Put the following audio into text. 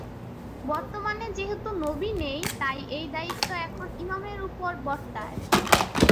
বর্তমানে যেহেতু নবি নেই, তাই এই দায়িত্ব এখন ইমামের ওপর বর্তায়।